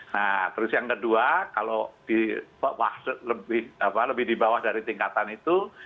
nah terus yang kedua kalau lebih di bawah dari tingkatan itu